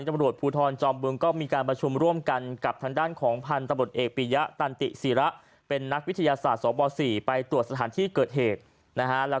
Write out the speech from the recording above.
มันก็ไม่ใช่ระเบิดล่ะ